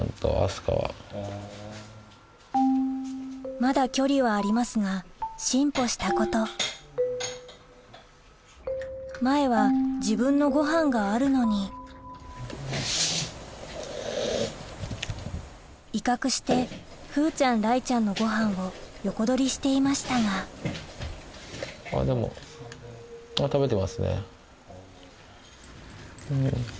まだ距離はありますが進歩したこと前は自分のごはんがあるのに威嚇して風ちゃん雷ちゃんのごはんを横取りしていましたがあっでもあっ食べてますね。